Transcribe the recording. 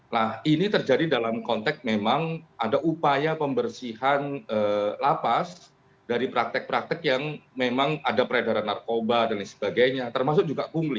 nah ini terjadi dalam konteks memang ada upaya pembersihan lapas dari praktek praktek yang memang ada peredaran narkoba dan lain sebagainya termasuk juga pungli